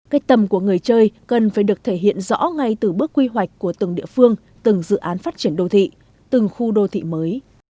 cách tầm của người chơi cần phải được thể hiện rõ ngay từ bước quy hoạch của từng địa phương từng dự án phát triển đô thị từng khu đô thị mới